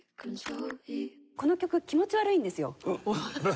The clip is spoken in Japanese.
この曲気持ち悪いんですよ。えっ！？